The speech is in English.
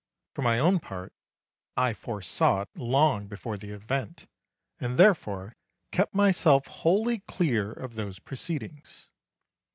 For my own part, I foresaw it long before the event, and therefore kept myself wholly clear of those proceedings.